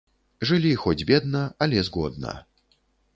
Жылі хоць бедна, але згодна.